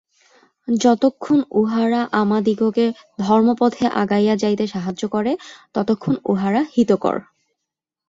যতক্ষণ উহারা আমাদিগকে ধর্মপথে আগাইয়া যাইতে সাহায্য করে, ততক্ষণ উহারা হিতকর।